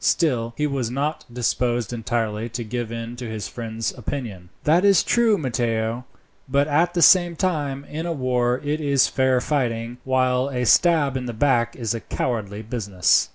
Still, he was not disposed entirely to give in to his friend's opinion. "That is true, Matteo; but at the same time, in a war it is fair fighting, while a stab in the back is a cowardly business."